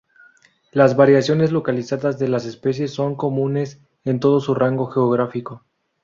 Las variaciones localizadas de las especies son comunes en todo su rango geográfico.